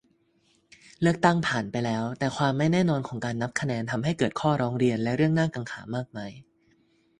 เลือกตั้งผ่านไปแล้ว แต่ความไม่แน่นอนของการนับคะแนนทำให้เกิดข้อร้องเรียน และเรื่องน่ากังขามากมาย